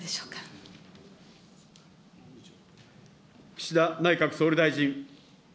岸田内閣総理大臣。